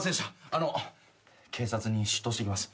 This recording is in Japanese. あの警察に出頭してきます。